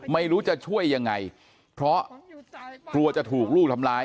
ไม่รู้จะช่วยยังไงเพราะกลัวจะถูกลูกทำร้าย